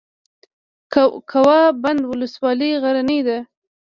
کوه بند ولسوالۍ غرنۍ ده؟